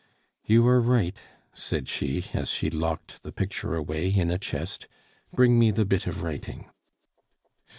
"You are right," said she, as she locked the picture away in a chest; "bring me the bit of writing."